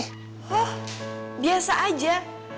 oh biasa aja